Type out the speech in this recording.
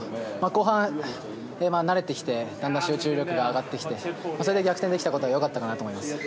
後半、慣れてきてだんだん集中力が上がってきてそれで逆転できたことは良かったかなと思います。